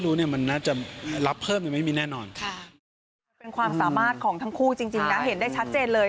คือผมไม่รู้ว่าอันนี้ต้องให้ทางค่ายเช็ค